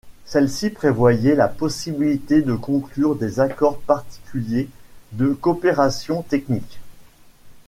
Celle-ci prévoyait la possibilité de conclure des accords particuliers de coopération technique.